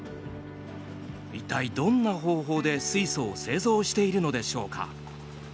一体、どんな方法で水素を製造しているのでしょうか。